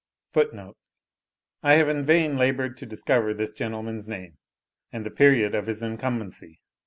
* I have in vain laboured to discover this gentleman's name, and the period of his incumbency.